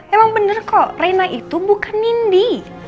emang bener kok reina itu bukan nindi